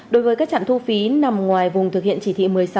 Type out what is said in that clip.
đối với các trạm thu phí nằm ngoài vùng thực hiện chỉ thị một mươi sáu